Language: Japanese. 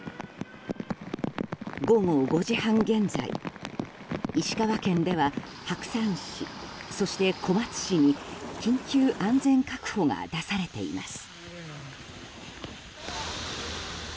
午後５時半現在、石川県では白山市、そして小松市に緊急安全確保が出されています。